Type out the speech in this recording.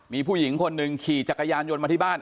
มีผู้หญิงคนหนึ่งขี่จักรยานยนต์มาที่บ้าน